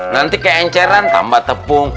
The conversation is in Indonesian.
nanti keenceran tambah tepung